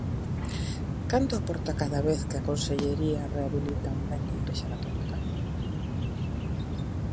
¿Canto aporta cada vez que a Consellería rehabilita un ben da Igrexa católica?